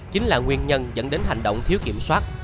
chính là nguyên nhân dẫn đến hành động thiếu kiểm soát